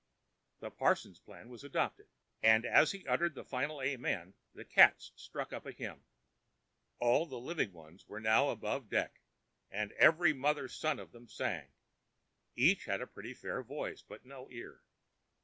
The parson's plan was adopted, and as he uttered the final "amen," the cats struck up a hymn. All the living ones were now above deck, and every mother's son of them sang. Each had a pretty fair voice, but no ear.